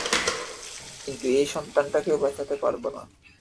কিন্তু এই সন্তানটাকেও বাঁচাতে পারব না।